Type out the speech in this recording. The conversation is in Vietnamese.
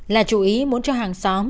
là chủ ý muốn cho hàng xóm